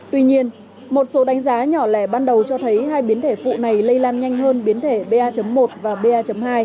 tuy nhiên một số đánh giá nhỏ lẻ ban đầu cho thấy hai biến thể phụ này lây lan nhanh hơn biến thể ba một và ba hai